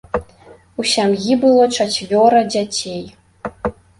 У сям'і было чацвёра дзяцей.